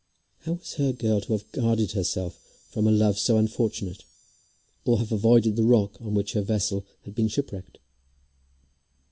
How was her girl to have guarded herself from a love so unfortunate, or have avoided the rock on which her vessel had been shipwrecked?